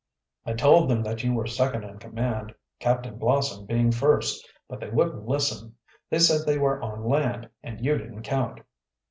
"I told them that you were second in command Captain Blossom being first but they wouldn't listen. They said they were on land, and you didn't count."